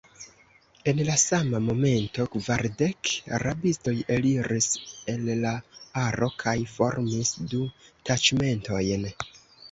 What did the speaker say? En la sama momento kvardek rabistoj eliris el la aro kaj formis du taĉmentojn.